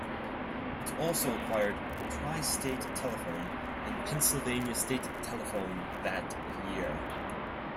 It also acquired Tri-State Telephone and Pennsylvania State Telephone that year.